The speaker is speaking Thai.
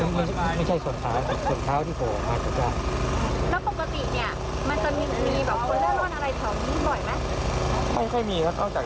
อะในซอยผมไม่แน่ใจแต่ว่าแทบไม่มี